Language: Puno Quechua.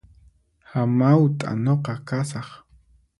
Hamawt'a nuqa kasaq